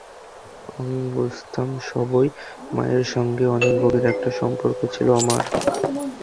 আমি বুঝতাম সবই, মায়ের সঙ্গে অনেক গভীর একটা সম্পর্ক ছিল আমার।